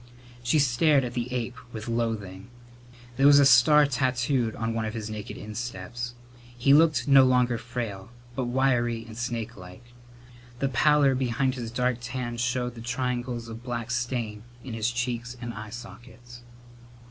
She stared at the ape with loathing. There was a star tattooed on one of his naked insteps. He looked no longer frail, but wiry and snakelike. The pallor behind his dark tan showed the triangles of black stain in his cheeks and eye sockets.